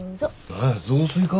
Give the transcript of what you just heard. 何や雑炊か。